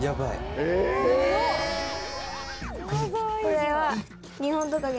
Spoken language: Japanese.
これは。